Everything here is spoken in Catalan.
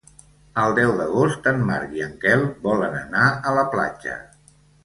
El deu d'agost en Marc i en Quel volen anar a la platja.